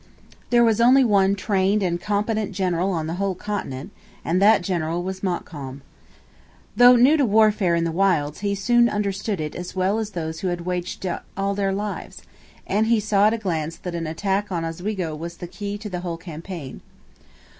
There was only one trained and competent general on the whole continent; and that general was Montcalm. Though new to warfare in the wilds he soon understood it as well as those who had waged it all their lives; and he saw at a glance that an attack on Oswego was the key to the whole campaign.